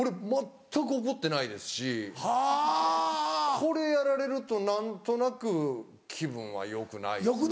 これやられると何となく気分はよくないですよね。